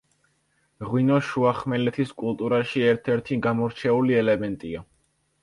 ღვინო შუახმელეთის კულტურაში ერთ-ერთი გამორჩეული ელემენტია.